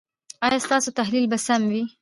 ایا ستاسو تحلیل به سم وي؟